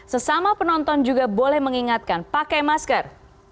sesama penonton juga boleh mengingatkan pakai masker